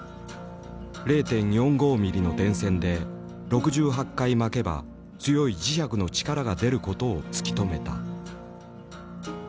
０．４５ミリの電線で６８回巻けば強い磁石の力が出ることを突き止めた。